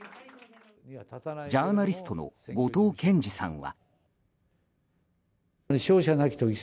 ジャーナリストの後藤謙次さんは。